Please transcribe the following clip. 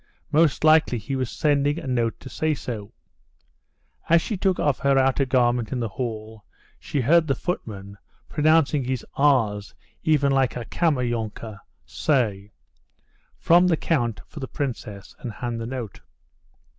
Most likely he was sending a note to say so. As she took off her outer garment in the hall, she heard the footman, pronouncing his "r's" even like a Kammerjunker, say, "From the count for the princess," and hand the note.